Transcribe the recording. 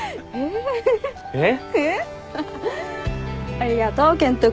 ありがとう健人君。